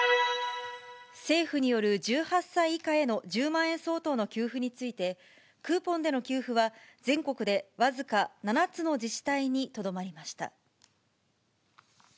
政府による１８歳以下への１０万円相当の給付について、クーポンでの給付は、全国で僅か７つの自治体にとどまりました。